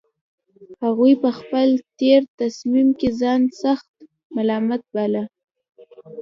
هغوی په خپل تېر تصميم کې ځان سخت ملامت باله